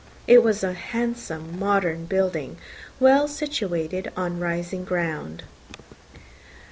It was a handsome modern building, well situated on rising ground.